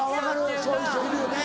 分かるそういう人いるよね。